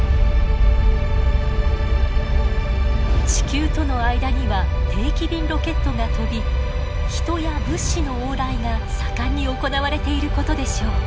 地球との間には定期便ロケットが飛び人や物資の往来が盛んに行われていることでしょう。